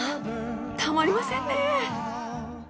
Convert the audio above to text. たまりませんね！